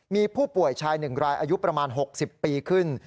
มีผู้ป่วยชาย๑รายอายุประมาณ๖๐ปีขึ้น